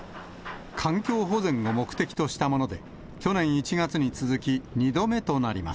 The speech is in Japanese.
環境保全を目的としたもので、去年１月に続き２度目となります。